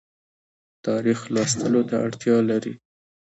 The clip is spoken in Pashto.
تاریخ لوستلو ته اړتیا لري